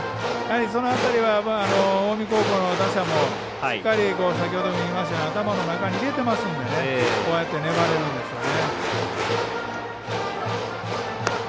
その辺りは、近江高校の打者もしっかり頭の中に入れてますのでこうやって粘れるんですね。